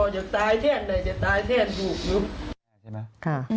จะตายแทนไหนจะตายแทนลูก